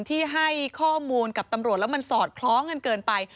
ที่ให้ข้อมูลกับตำรวจแล้วมันสอดคล้องกันเกินไป